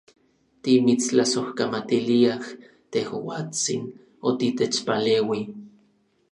Timitstlasojkamatiliaj, tejuatsin, otitechpaleui.